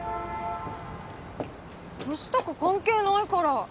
年とか関係ないから。